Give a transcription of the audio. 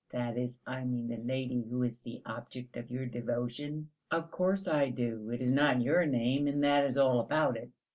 that is, I mean the lady who is the object of your devotion?" "Of course I do; it is not your name, and that is all about it."